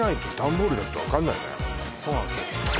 ・そうなんですよ